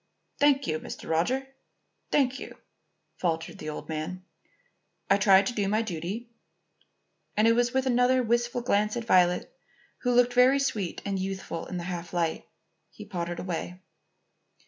"Thank you, Mr. Roger, thank you," faltered the old man. "I try to do my duty." And with another wistful glance at Violet, who looked very sweet and youthful in the half light, he pottered away.